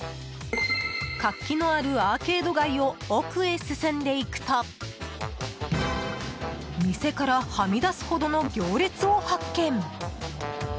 活気のあるアーケード街を奥へ進んでいくと店からはみ出すほどの行列を発見。